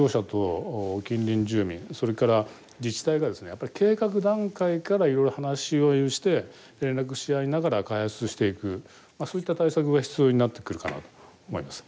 やっぱり計画段階からいろいろ話し合いをして連絡し合いながら開発していくそういった対策が必要になってくるかなと思います。